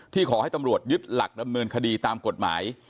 ขอให้ตำรวจยึดหลักดำเนินคดีตามกฎหมาย